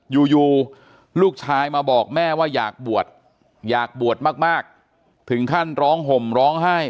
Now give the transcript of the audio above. อยู่ลูกชายมาบอกแม่ว่าอยากบวชอยากบวชมากถึงขั้นร้องห่มร้องไห้